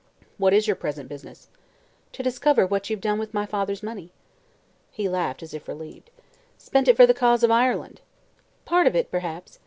"What is your present business?" "To discover what you've done with my father's money." He laughed, as if relieved. "Spent it for the cause of Ireland." "Part of it, perhaps.